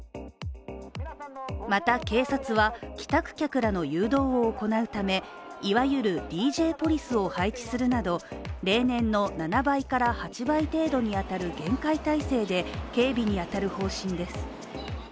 また警察は、帰宅客らの誘導を行うためいわゆるＤＪポリスを配置するなど例年の７倍から８倍に当たる厳戒態勢で警備に当たる方針です。